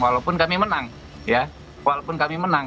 walaupun kami menang ya walaupun kami menang